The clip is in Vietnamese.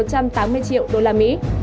đạt một trăm tám mươi triệu usd